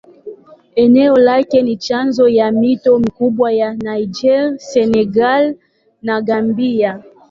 Eneo lake ni chanzo ya mito mikubwa ya Niger, Senegal na Gambia.